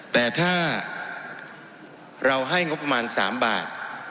แต่ถ้าเราให้งบประมาณ๓บาท